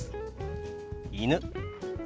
「犬」。